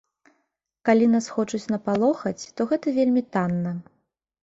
Калі нас хочуць напалохаць, то гэта вельмі танна.